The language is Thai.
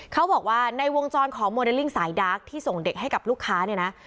เขาบอกว่าในวงจรของโมเดลลิ่งสายดาร์กที่ส่งเด็กให้กับลูกค้าเนี่ยนะ